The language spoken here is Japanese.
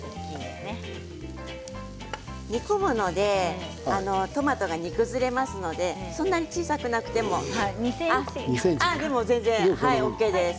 煮込むのでトマトが煮崩れますのでそんなに小さくなくても全然ＯＫですよ。